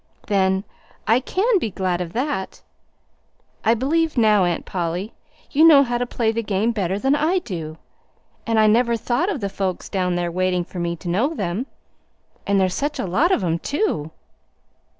"Then I can be glad of that. I believe now, Aunt Polly, you know how to play the game better than I do. I never thought of the folks down there waiting for me to know them. And there's such a lot of 'em, too!